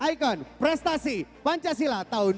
ikon prestasi pancasila tahun dua ribu dua puluh